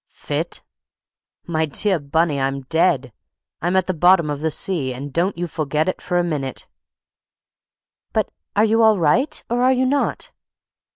"Fit? My dear Bunny, I'm dead—I'm at the bottom of the sea—and don't you forget it for a minute." "But are you all right, or are you not?"